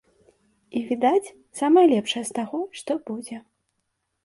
І, відаць, самае лепшае з таго, што будзе.